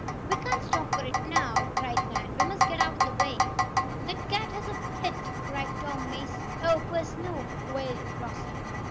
"We can't stop for it now!" cried Nan. "We must get out of the way." "The cat has a fit!" cried Tom Mason. "Oh, poor Snoop!" wailed Flossie.